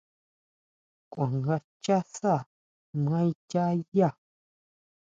Kuá nga xchá sá maa ichá yá.